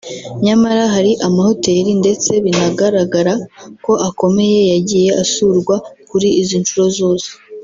nyamara hari amahoteri ndetse binagaragara ko akomeye yagiye asurwa kuri izi nshuro zose